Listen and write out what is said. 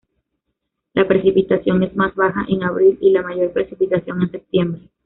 La precipitación es más baja en abril y la mayor precipitación en septiembre.